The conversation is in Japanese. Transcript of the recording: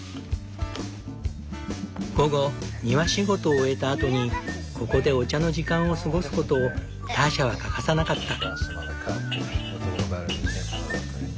午後庭仕事を終えたあとにここでお茶の時間を過ごすことをターシャは欠かさなかった。